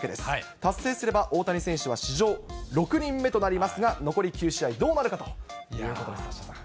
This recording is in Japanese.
達成すれば、大谷選手は史上６人目となりますが、残り９試合、どうなるかということです、サッシャさん。